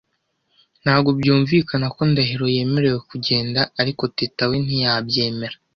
Ntabwo byumvikana ko Ndahiro yemerewe kugenda, ariko Teta we ntiyabyemera.